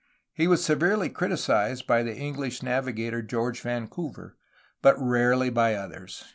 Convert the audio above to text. He was severely criticized by the English navigator George Vancouver, but rarely by others.